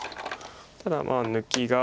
ただ抜きが。